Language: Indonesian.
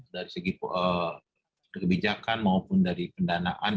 dari segi kebijakan maupun dari pendanaan